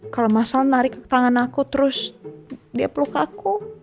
kalau masal narik ke tangan aku terus dia peluk aku